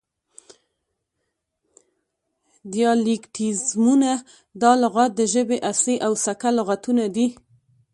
دیالیکتیزمونه: دا لغات د ژبې اصلي او سکه لغتونه دي